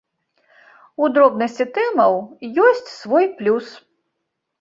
У дробнасці тэмаў ёсць свой плюс.